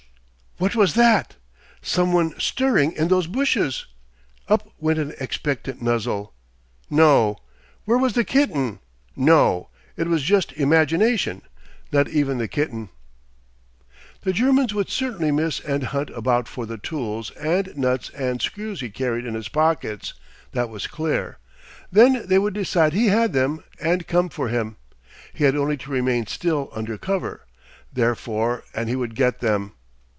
What was that? Some one stirring in those bushes? Up went an expectant muzzle. No! Where was the kitten? No! It was just imagination, not even the kitten. The Germans would certainly miss and hunt about for the tools and nuts and screws he carried in his pockets; that was clear. Then they would decide he had them and come for him. He had only to remain still under cover, therefore, and he would get them.